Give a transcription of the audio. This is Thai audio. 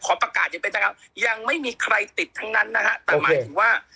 ขอประกาศจนเป็นนะครับยังไม่มีใครติดทั้งนั้นนะฮะแต่หมายถึงว่า